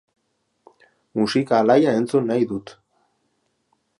Musika alaia entzun nahi dut